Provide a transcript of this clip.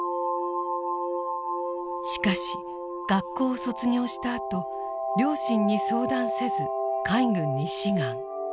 しかし学校を卒業したあと両親に相談せず海軍に志願。